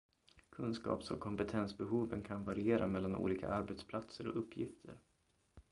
Kunskaps- och kompetensbehoven kan variera mellan olika arbetsplatser och uppgifter.